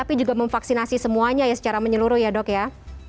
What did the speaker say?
tapi juga memvaksinasi semuanya ya secara menyeluruh ya dok ya